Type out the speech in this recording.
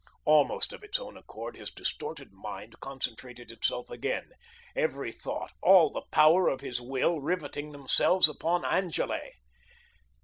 Almost of its own accord, his distorted mind concentrated itself again, every thought, all the power of his will riveting themselves upon Angele.